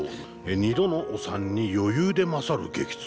２度のお産に余裕で勝る激痛」。